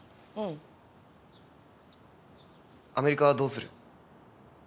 アメリカはどうする？